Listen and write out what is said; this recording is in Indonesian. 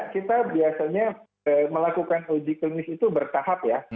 kita biasanya melakukan uji klinis itu bertahap ya